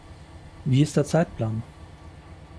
Wie ist der Zeitplan?